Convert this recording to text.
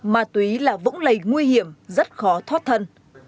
ma túy là vũng lầy nguy hiểm rất khó thoát thân